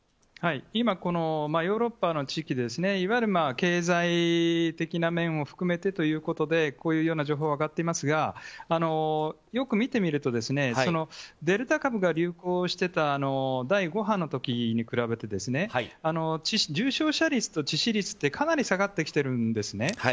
今ヨーロッパの地域いわゆる経済的な面を含めてということでこういう情報が上がっていますがよく見てみるとデルタ株が流行していた第５波の時に比べて重症者率と致死率ってかなり下がってきているんです。